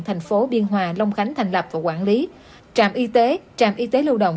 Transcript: thành phố biên hòa long khánh thành lập và quản lý trạm y tế trạm y tế lưu động